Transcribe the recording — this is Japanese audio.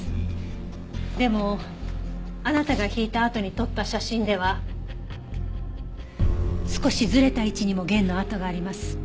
でもあなたが弾いたあとに撮った写真では少しずれた位置にも弦の跡があります。